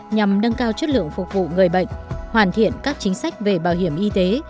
nhằm nâng cao chất lượng phục vụ người bệnh hoàn thiện các chính sách về bảo hiểm y tế